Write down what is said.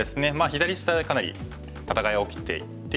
左下でかなり戦いが起きていて。